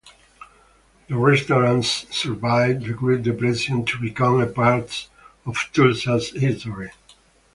The restaurants survived the Great Depression to become a part of Tulsa's history.